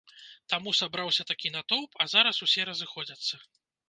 Таму сабраўся такі натоўп, а зараз усе разыходзяцца.